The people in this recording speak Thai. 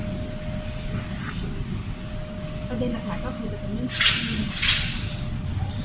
ไม่ต่อไป